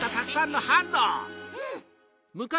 うん！